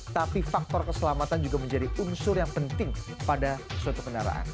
tapi faktor keselamatan juga menjadi unsur yang penting pada suatu kendaraan